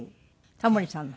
タモリさんの。